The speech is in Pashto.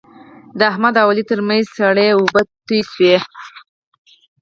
د احمد او علي ترمنځ سړې اوبه تویې شوې.